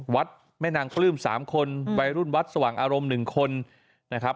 วัดแม่นางปลื้ม๓คนวัยรุ่นวัดสว่างอารมณ์๑คนนะครับ